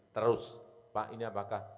terus pak ini apakah